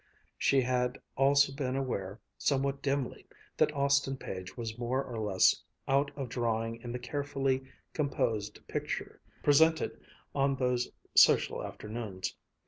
She had also been aware, somewhat dimly, that Austin Page was more or less out of drawing in the carefully composed picture presented on those social afternoons.